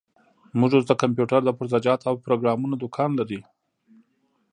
موږ اوس د کمپيوټر د پرزه جاتو او پروګرامونو دوکان لري.